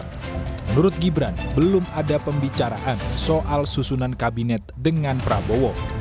menurut gibran belum ada pembicaraan soal susunan kabinet dengan prabowo